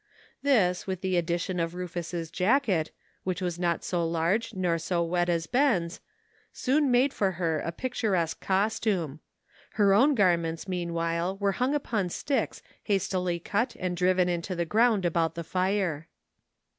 This, with the addition of Rufus's jacket, which was not so large nor so wet as Ben's, soon made for her a picturesque costume ; her own garments meanwhile were hung upon sticks hastily cut and driven into the ground about the fire.